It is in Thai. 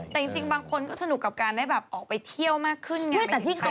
แต่จริงบางคนก็สนุกกับการได้แบบออกไปเที่ยวมากขึ้นไงอุ๊ยแต่ที่เขา